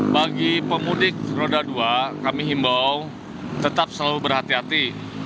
bagi pemudik roda dua kami himbau tetap selalu berhati hati